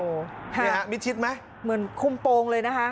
นี่ฮะมิดชิดไหมเหมือนคุมโปรงเลยนะคะ